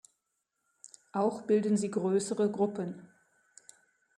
Auch bilden sie größere Gruppen.